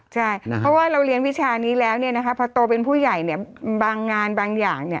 ใช่เพราะว่าเราเรียนวิชานี้แล้วพอโตเป็นผู้ใหญ่บางงานบางอย่าง